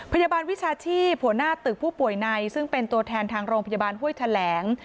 พยาบาลวิชาชีพหัวหน้าตึกผู้ป่วยในซึ่งเป็นตัวแทนทางโรงพยาบาลห้วยแถลง